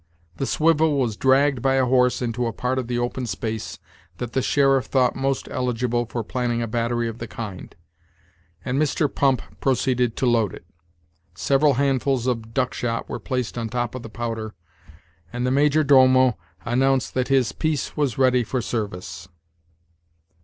The swivel was dragged by a horse into a part of the open space that the sheriff thought most eligible for planning a battery of the kind, and Mr. Pump proceeded to load it. Several handfuls of duck shot were placed on top of the powder, and the major domo announced that his piece was ready for service.